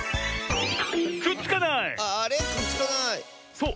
そう。